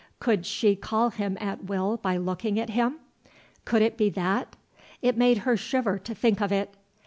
Could she call him at will by looking at him? Could it be that ? It made her shiver to think of it.